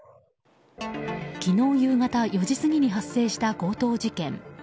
昨日夕方４時過ぎに発生した強盗事件。